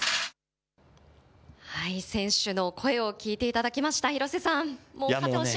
選手の声を聞いていただきました、廣瀬さん、もう勝ってほし